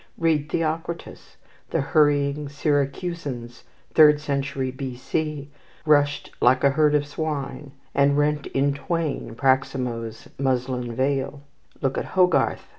Read Theocritus. The hurrying Syracusans third century B.C. "rushed like a herd of swine," and rent in twain Praxinoe's muslin veil. Look at Hogarth.